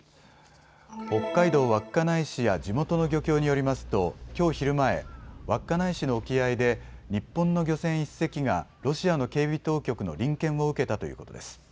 北海道稚内市や地元の漁協によりますと、きょう昼前、稚内市の沖合で日本の漁船１隻がロシアの警備当局の臨検を受けたということです。